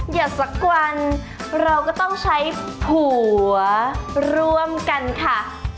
สักวันเราก็ต้องใช้ผัวร่วมกันค่ะ